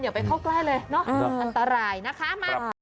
ไปเข้าใกล้เลยเนอะอันตรายนะคะมา